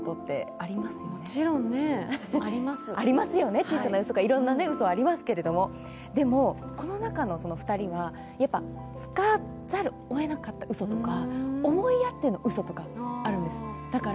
あります、はい。ありますよね、小さなうそとかいろんなうそありますけれども、でも、この中の２人は、つかざるをえなかったうそとか、思いやってのうそとかあるんです。